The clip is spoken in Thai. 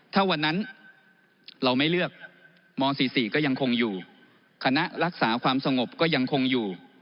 ถ้าวันนั้นเราไม่เลือกม๔๔ก็ยังคงอยู่คณะรักษาความสงบก็ยังคงอยู่